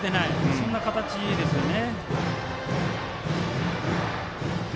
そんな形ですよね。